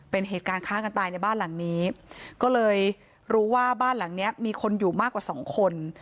เป็นเหตุการณ์ฆ่ากันตายในบ้านหลังนี้ก็เลยรู้ว่าบ้านหลังเนี้ยมีคนอยู่มากกว่าสองคน